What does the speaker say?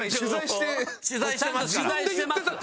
取材してますから。